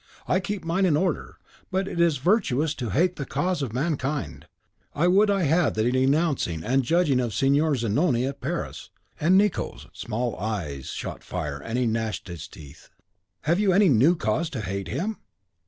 I keep mine in order; but it is virtuous to hate in the cause of mankind; I would I had the denouncing and the judging of Signor Zanoni at Paris." And Nicot's small eyes shot fire, and he gnashed his teeth. "Have you any new cause to hate him?"